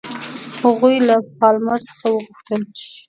هغوی له پالمر څخه وغوښتل.